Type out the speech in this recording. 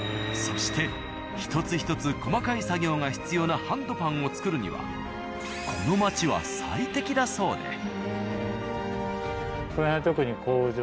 そして一つ一つ細かい作業が必要なハンドパンを作るにはこの町は最適だそうで。